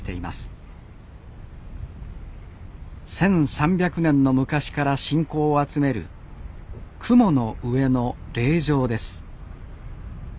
１，３００年の昔から信仰を集める雲の上の霊場です